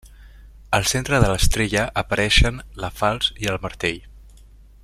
Al centre de l'estrella apareixen la falç i el martell.